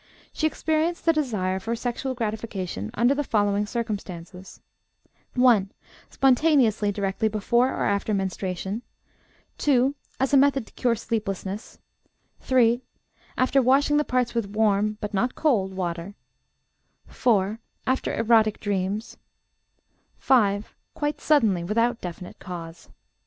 She experienced the desire for sexual gratification under the following circumstances: (1) spontaneously, directly before or after menstruation; (2) as a method to cure sleeplessness; (3) after washing the parts with warm (but not cold) water; (4) after erotic dreams; (5) quite suddenly, without definite cause.